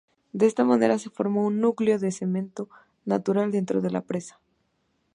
De esta manera se formó un núcleo de cemento natural dentro de la presa.